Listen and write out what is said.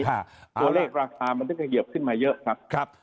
ตัวเลขราคามันจะเหยียบขึ้นมาเยอะครับ